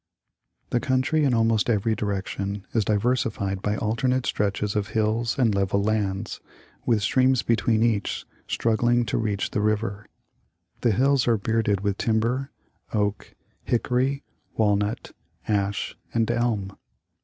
The country in almost every direction is diversi fied by alternate stretches of hills and level lands, with streams between each struggling to reach the river. The hills are bearded with timber — oak, hickory, walnut, ash, and elm.